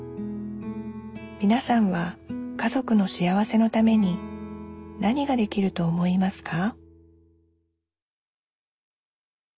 みなさんは家族の幸せのために何ができると思いますか？